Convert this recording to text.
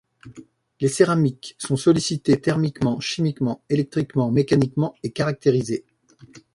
Les céramiques sont sollicitées, thermiquement, chimiquement, électriquement, mécaniquement et caractérisées.